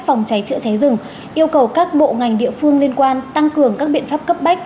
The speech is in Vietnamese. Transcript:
phòng cháy chữa cháy rừng yêu cầu các bộ ngành địa phương liên quan tăng cường các biện pháp cấp bách